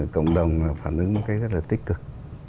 cộng đồng phản ứng một cách rất là tích cực